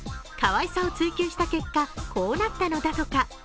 かわいさを追求した結果、こうなったのだとか。